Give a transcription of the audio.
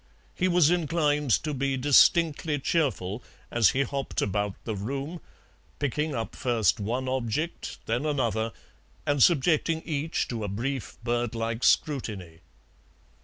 He was inclined to be distinctly cheerful as he hopped about the room, picking up first one object, then another, and subjecting each to a brief bird like scrutiny.